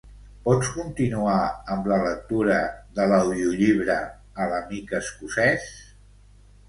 Pots continuar amb la lectura de l'audiollibre "A l'amic escocès"?